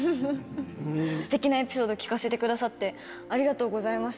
すてきなエピソード聞かせてくださって、ありがとうございました。